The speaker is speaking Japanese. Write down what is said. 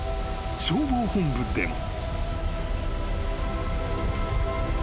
消防本部でも］